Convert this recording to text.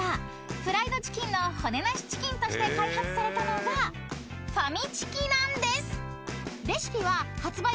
［の骨なしチキンとして開発されたのがファミチキなんです］